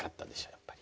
やっぱり。